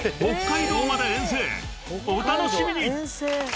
［お楽しみに！］